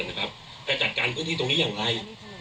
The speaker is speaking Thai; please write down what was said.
จะจัดการพื้นที่ตรงนี้อย่างไร